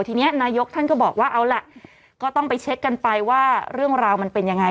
ทีนี้นายกท่านก็บอกว่าเอาล่ะก็ต้องไปเช็คกันไปว่าเรื่องราวมันเป็นยังไง